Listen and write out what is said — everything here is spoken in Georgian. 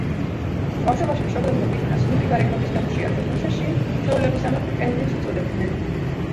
ბავშვობაში მშობლებმა ბიჭუნას „სნუპი“ გარეგნობის გამო შეარქვეს, თუმცა შინ ჩვეულებისამებრ კელვინს უწოდებდნენ.